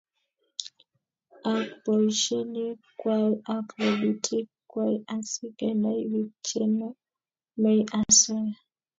Ak boisionik kwai ak lelutik kwai asi Kenai bik chenomei osoya